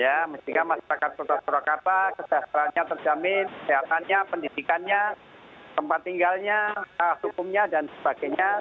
ya mestinya masyarakat kota surakarta kesejahteraannya terjamin kesehatannya pendidikannya tempat tinggalnya hukumnya dan sebagainya